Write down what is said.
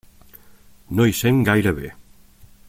No hi sent gaire bé.